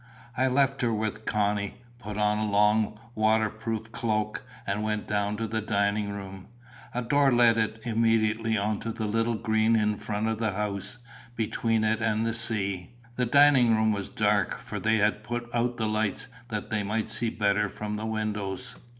I left her with Connie, put on a long waterproof cloak, and went down to the dining room. A door led from it immediately on to the little green in front of the house, between it and the sea. The dining room was dark, for they had put out the lights that they might see better from the windows.